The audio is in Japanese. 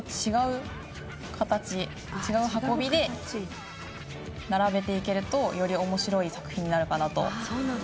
違う運びで並べていけるとよりおもしろい作品になるかなと。